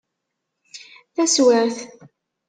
Taswiɛt.